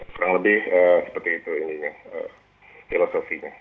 kurang lebih seperti itu ini ya filosofinya